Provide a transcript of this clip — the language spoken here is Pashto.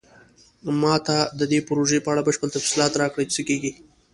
ما ته د دې پروژې په اړه بشپړ تفصیلات راکړئ چې څه کیږي